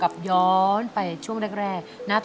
อเรนนี่คือเหตุการณ์เริ่มต้นหลอนช่วงแรกแล้วมีอะไรอีก